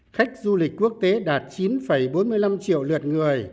khách du lịch quốc tế đạt chín bốn mươi năm triệu